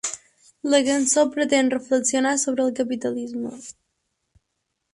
La cançó pretén reflexionar sobre el capitalisme.